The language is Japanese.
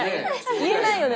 言えないよね